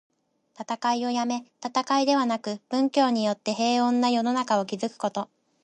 戦いをやめ、戦いではなく、文教によって平穏な世の中を築くこと。